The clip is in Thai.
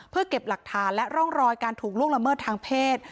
เพื่อเก็บหลักฐานและร่องรอยการถูกล่วงละเมิดทางเพศ